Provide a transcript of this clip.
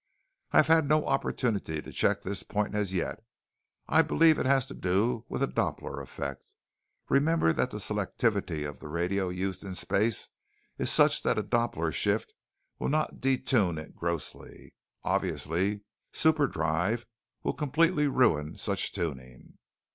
"I have had no opportunity to check this point as yet. I believe it has to do with the doppler effect. Remember that the selectivity of the radio used in space is such that a doppler shift will not detune it grossly. Obviously, superdrive will completely ruin such tuning."